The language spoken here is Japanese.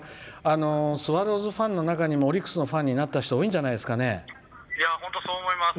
スワローズファンの中にもオリックスのファンになった人そう思います。